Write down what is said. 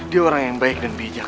dia orang yang baik dan bijak